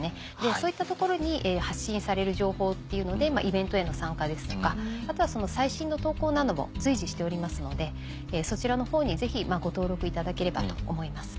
そういったところに発信される情報っていうのでイベントへの参加ですとかあとは最新の投稿なども随時しておりますのでそちらのほうにぜひご登録いただければと思います。